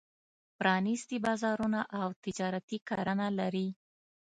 پرانېستي بازارونه او تجارتي کرنه لري.